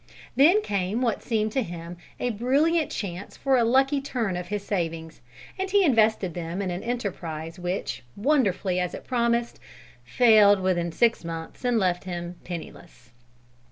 Then came what seemed to him a brilliant chance for a lucky turn of his savings, and he invested them in an enterprise which, wonderfully as it promised, failed within six months and left him penniless.